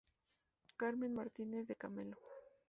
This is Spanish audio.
Carmen Martínez de Camelo.